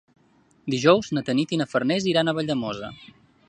Dijous na Tanit i na Farners iran a Valldemossa.